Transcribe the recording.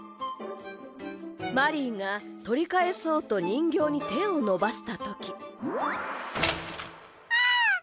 マリーが取り返そうと人形に手を伸ばしたときあぁっ！